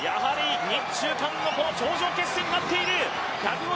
日中韓のこの頂上決戦になっている。